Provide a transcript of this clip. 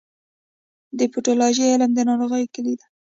د پیتالوژي علم د ناروغیو کلي ده.